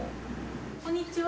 こんにちは。